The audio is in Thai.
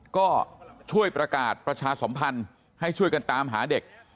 ก็ช่วยประกาศประชาสมพันธ์ให้ช่วยกันตามหาเด็ก